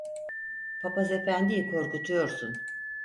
Papaz efendiyi korkutuyorsun.